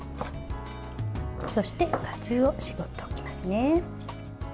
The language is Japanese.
そして、果汁を搾っておきますね。